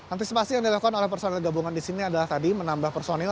antisipasi yang dilakukan oleh personel gabungan disini adalah tadi menambah personil